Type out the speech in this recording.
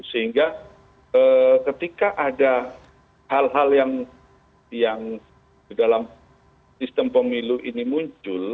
sehingga ketika ada hal hal yang dalam sistem pemilu ini muncul